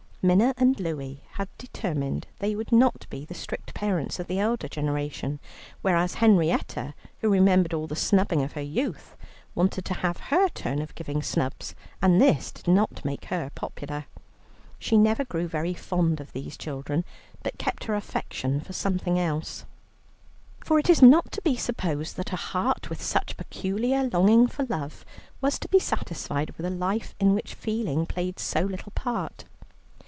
Minna and Louie had determined they would not be the strict parents of the elder generation, whereas Henrietta, who remembered all the snubbing of her youth, wanted to have her turn of giving snubs, and this did not make her popular. She never grew very fond of these children, but kept her affection for something else. For it is not to be supposed that a heart with such peculiar longing for love was to be satisfied with a life in which feeling played so little part.